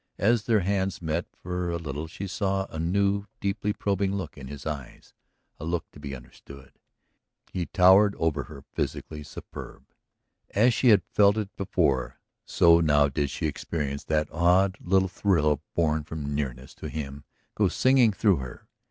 As their hands met for a little she saw a new, deeply probing look in his eyes, a look to be understood. He towered over her, physically superb. As she had felt it before, so now did she experience that odd little thrill born from nearness to him go singing through her.